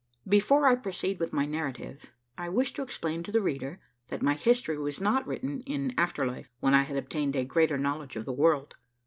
Before I proceed with my narrative, I wish to explain to the reader that my history was not written in after life, when I had obtained a greater knowledge of the world.